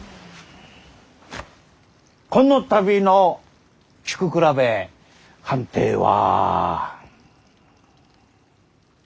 この度の菊比べ判定は。